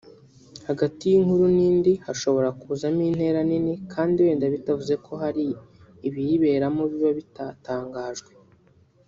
Hagati y’inkuru n’indi hashobora kuzamo intera nini kandi wenda bitavuze ko hari ibiyiberamo biba bitatangajwe